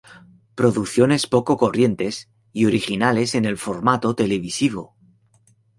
Producciones poco corrientes y originales en el formato televisivo.